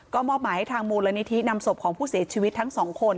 ก็มอบหมายให้ทางมูลนิธินำศพของผู้เสียชีวิตทั้งสองคน